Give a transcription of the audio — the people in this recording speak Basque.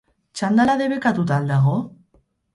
Txandala debekatuta al dago?